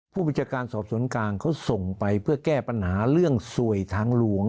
ผู้บัญชาการสอบสวนกลางเขาส่งไปเพื่อแก้ปัญหาเรื่องสวยทางหลวง